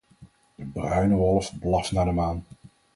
De bruine wolf blaft naar de maan.